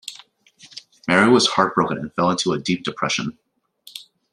Mary was heartbroken and fell into a deep depression.